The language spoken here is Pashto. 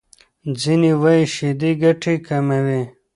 ځینې وايي شیدې ګټې کموي.